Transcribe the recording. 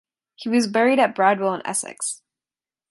He was buried at Bradwell in Essex.